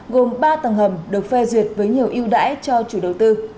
gồm ba tầng hầm được phê duyệt với nhiều yêu đãi cho chủ đầu tư